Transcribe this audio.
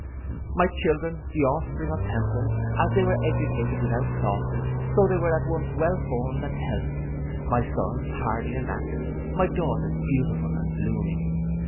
My children, the offspring of temperance, as they were educated without softness, so they were at once well formed and healthy; my sons hardy and active, my daughters beautiful and blooming.